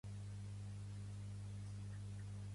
Podrides canyes foradades, llar dels cucs i feristeles.